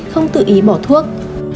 không tự ý bỏ thuốc